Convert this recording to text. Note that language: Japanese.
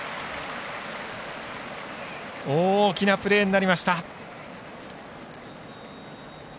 大きなプレーになりました。